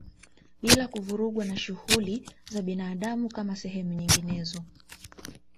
Bila kuvurugwa na shughuli za binadamu kama sehemu nyinginezo